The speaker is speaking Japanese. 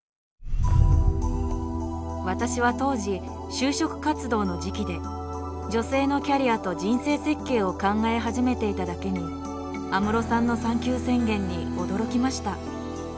私は当時就職活動の時期で女性のキャリアと人生設計を考え始めていただけに安室さんの産休宣言に驚きました。